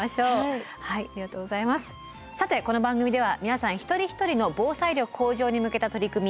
さてこの番組では皆さん一人一人の防災力向上に向けた取り組み